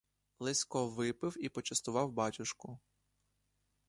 Лесько випив і почастував батюшку.